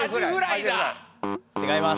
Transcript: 違います。